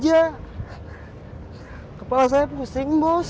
jadi depan saya pusing bos